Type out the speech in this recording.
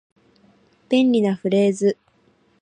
便利なフレーズ